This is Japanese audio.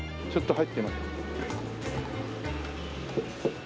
ちょっと入って。